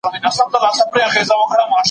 دوی په پرمختيايي پروګرامونو کي همکاري کوي.